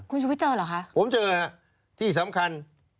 คุณชิคกี้พายเจอหรือคะผมเจอค่ะที่สำคัญ